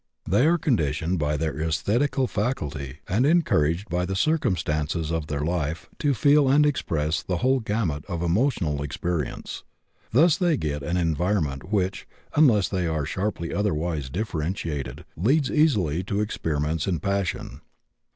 They are conditioned by their esthetical faculty, and encouraged by the circumstances of their life to feel and express the whole gamut of emotional experience. Thus they get an environment which (unless they are sharply otherwise differentiated) leads easily to experiments in passion.